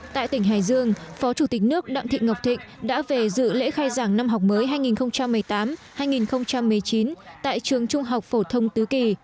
tại tỉnh hải dương phó chủ tịch nước đặng thị ngọc thịnh đã về dự lễ khai giảng năm học mới hai nghìn một mươi tám hai nghìn một mươi chín tại trường trung học phổ thông tứ kỳ